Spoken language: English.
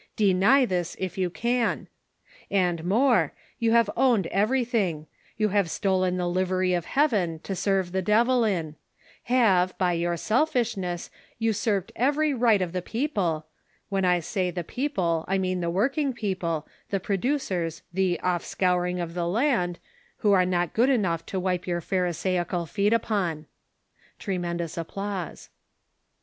Deny this if you can. And more, you have owned everything ; have even stolen the livery of heaven to serve the devil in ; have, by your selfishness, usurped every right of the people — when I say the people^ I mean the working people, the producers, the "offscouring of the land," who are not good enough to wipe your Pharisaical feet upon. [Tremendous applause.